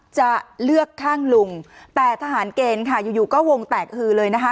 จะเลือกข้างลุงแต่ทหารเกณฑ์ค่ะอยู่อยู่ก็วงแตกฮือเลยนะคะ